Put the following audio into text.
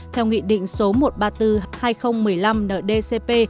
theo nghị định số một trăm ba mươi bốn hai nghìn một mươi năm ndcp